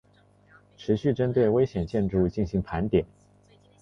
持续针对危险建筑进行盘点